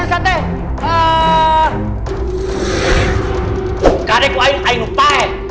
gak ada air airnya kebuka